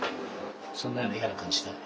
そんなに嫌な感じしない。